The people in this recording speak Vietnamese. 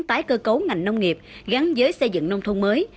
tái cơ cấu ngành nông nghiệp gắn với xây dựng nông thôn mới